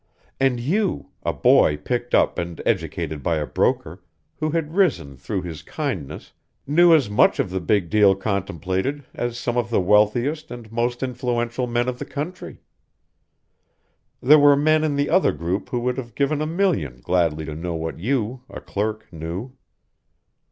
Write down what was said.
"And you, a boy picked up and educated by a broker, who had risen through his kindness, knew as much of the big deal contemplated as some of the wealthiest and most influential men of the country. There were men in the other group who would have given a million gladly to know what you, a clerk, knew.